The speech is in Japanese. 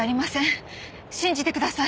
信じてください！